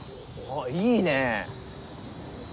おっいいねえ！